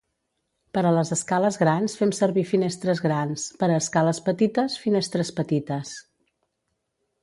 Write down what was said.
Per a les escales grans fem servir finestres grans, per a escales petites, finestres petites.